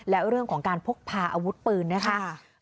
และเรื่องของการพกพาอาวุธปืนนะคะ